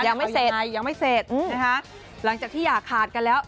ยังไม่เสร็จยังไม่เสร็จนะคะหลังจากที่อย่าขาดกันแล้ว